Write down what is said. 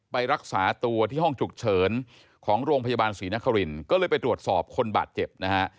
ไปรักษาตัวที่ห้องฉุกเฉินของโรงพยาบาลศรีนครินก็เลยไปตรวจสอบคนบาดเจ็บนะฮะ